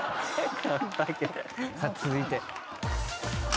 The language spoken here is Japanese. さあ続いて。